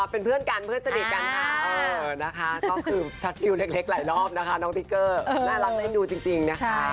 เป็นเพื่อนกันเพื่อนเสด็จกันค่ะชัดฟิวเล็กหลายรอบนะคะน้องทิกเกอร์น่ารักให้ดูจริง